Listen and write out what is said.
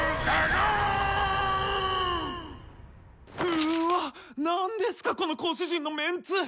うわっ何ですかこの講師陣のメンツ！